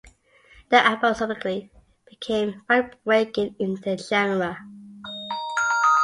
The album subsequently became groundbreaking in the genre.